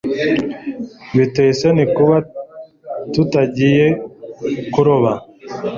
Biteye isoni kuba tutagiye kuroba